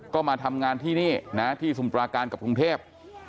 ก็มาทำงานที่นี่นะที่สมุปราการกับกรุงเทพ